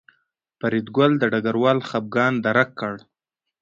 فریدګل د ډګروال خپګان درک کړ